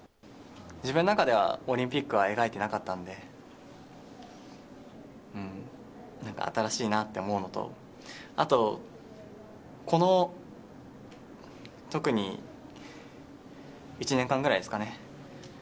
自分の中ではオリンピックは描いていなかったので何か新しいなって思うのとあと、この特に１年間ぐらいですかね